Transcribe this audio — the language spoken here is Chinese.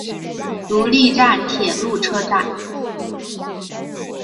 足利站铁路车站。